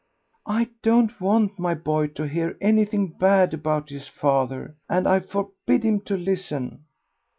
"I don't want my boy to hear anything bad about his father, and I forbid him to listen."